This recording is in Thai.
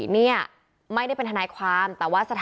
ใช่ครับ